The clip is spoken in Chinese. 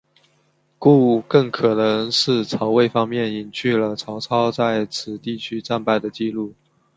故更可能是曹魏方面隐去了曹操在此地区战败的记录。